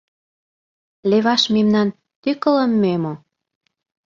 — Леваш мемнан тӱкылымӧ мо?